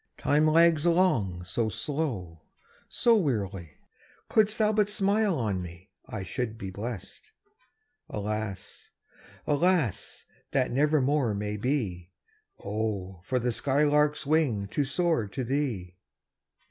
Time lags alone so slow, so wearily; Couldst thou but smile on me, I should be blest. Alas, alas! that never more may be. Oh, for the sky lark's wing to soar to thee!